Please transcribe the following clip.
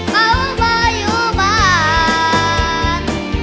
ป่าว่าป่าอยู่บ้าน